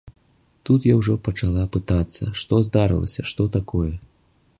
Тут я ўжо пачала пытацца, што здарылася, што такое.